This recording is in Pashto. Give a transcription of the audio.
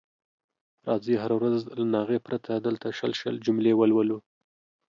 راځئ هره ورځ له ناغې پرته دلته شل شل جملې ولولو.